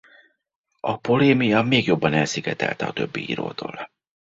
A polémia még jobban elszigetelte a többi írótól.